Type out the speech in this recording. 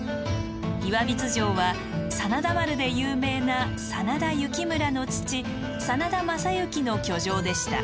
岩櫃城は「真田丸」で有名な真田幸村の父真田昌幸の居城でした。